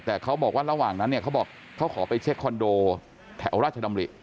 แต่เขาบอกว่าระหว่างนั้นเนี่ยเขาบอกเขาขอไปเช็คคอนโดแถวราชดำริ